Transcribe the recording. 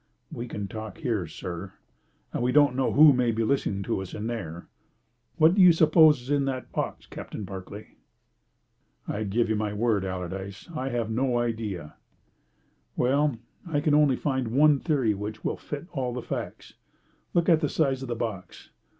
"We can talk here, sir, and we don't know who may be listening to us in there. What do you suppose is in that box, Captain Barclay?" "I give you my word, Allardyce, that I have no idea." "Well, I can only find one theory which will fit all the facts. Look at the size of the box.